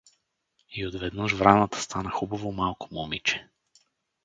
И отведнъж враната стана хубаво малко момиче.